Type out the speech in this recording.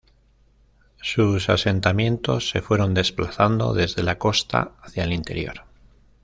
Sus asentamientos se fueron desplazando desde la costa hacia el interior.